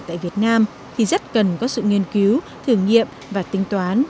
tại việt nam thì rất cần có sự nghiên cứu thử nghiệm và tính toán